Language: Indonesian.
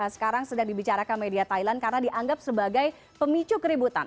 sekarang sedang dibicarakan media thailand karena dianggap sebagai pemicu keributan